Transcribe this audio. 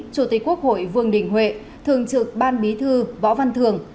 chủ tịch quốc hội vương đình huệ thường trực ban bí thư võ văn thường